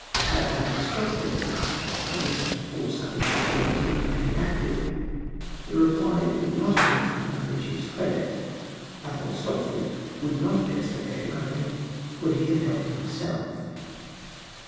Had Admiral Stopford been asked why, with such a force under his orders, he remained inactive, the reply would have not been to the Commander in chief's credit. Admiral Stopford would not have been a spectator only, could he have helped himself.